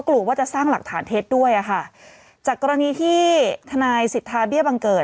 กลัวว่าจะสร้างหลักฐานเท็จด้วยอ่ะค่ะจากกรณีที่ทนายสิทธาเบี้ยบังเกิด